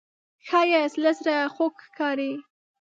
ښایست له زړه خوږ ښکاري